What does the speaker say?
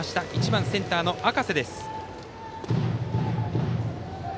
１番センター、赤瀬です。